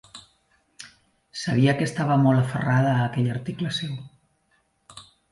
Sabia que estava molt aferrada a aquell article seu.